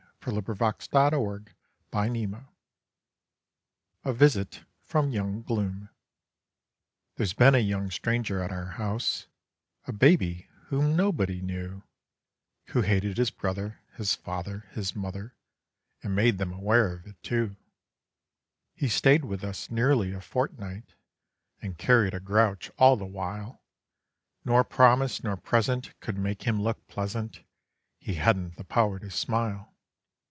A VISIT FROM YOUNG GLOOM There's been a young stranger at our house, A baby whom nobody knew; Who hated his brother, his father, his mother, And made them aware of it, too. He stayed with us nearly a fortnight And carried a grouch all the while, Nor promise nor present could make him look pleasant; He hadn't the power to smile.